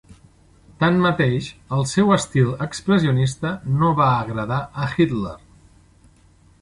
Tanmateix, el seu estil expressionista no va agradar a Hitler.